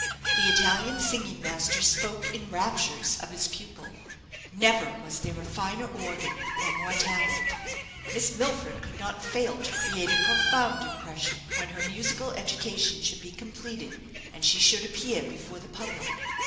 The Italian singing master spoke in raptures of his pupil never was there a finer organ or more talent. Miss Milford could not fail to create a profound impression when her musical education should be completed, and she should appear before the public.